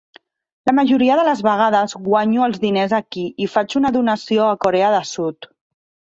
La majoria de les vegades, guanyo els diners aquí i faig una donació a Corea de Sud.